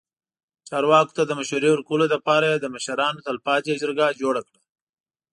چارواکو ته د مشورې ورکولو لپاره یې د مشرانو تلپاتې جرګه جوړه کړه.